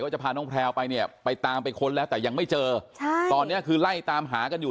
จะพาน้องแพลวไปเนี่ยไปตามไปค้นแล้วแต่ยังไม่เจอใช่ตอนเนี้ยคือไล่ตามหากันอยู่